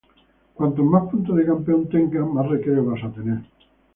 Cuantos más puntos de campeón tengas, mas recreo vas a tener.